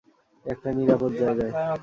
একটা নিরাপদ জায়গায়।